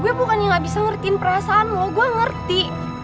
gue bukannya gak bisa ngertiin perasaan lo gue ngerti